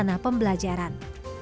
dan juga pembelajaran